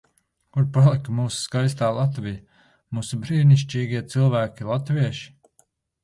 Kur palika mūsu skaistā Latvija, mūsu brīnišķīgie cilvēki latvieši?